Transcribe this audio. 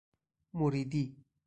مریدی